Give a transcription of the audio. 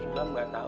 gak tau mak